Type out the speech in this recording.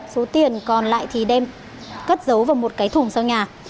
số tiền còn lại thì đem cất giấu vào một cái thùng sau nhà